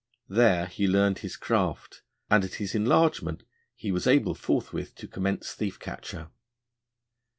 There he learned his craft, and at his enlargement he was able forthwith to commence thief catcher.